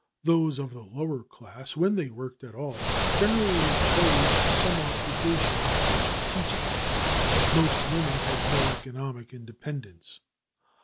Those of the lower class, when they worked at all, generally chose some occupation such as teaching. Most women had no economic independence.